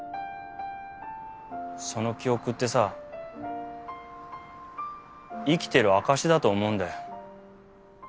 その記憶ってさ生きてる証しだと思うんだよ。